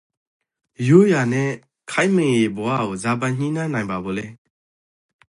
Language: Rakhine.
ရိုးရာနန့်ခေတ်မီယေဘဝကိုဇာပိုင် ညှိနှိုင်းနိုင်ပါဖို့လဲ?